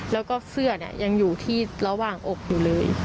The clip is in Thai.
แล้วก็เสื้อยังอยู่ที่ระหว่างอกอยู่เลย